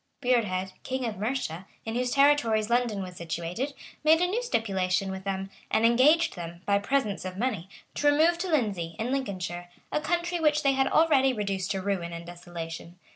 Burrhed, king of Mercia, in whose territories London was situated, made a new stipulation with them, and engaged them, by presents of money, to remove to Lindesey, in Lincolnshire, a country which they had already reduced to ruin and desolation.